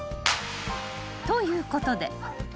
［ということで］